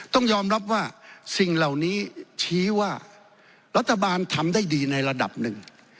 ต้องยอมรับว่าสิ่งเหล่านี้ชี้ว่ารัฐบาลทำได้ดีในระดับหนึ่ง